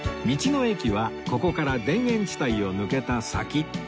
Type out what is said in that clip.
道の駅はここから田園地帯を抜けた先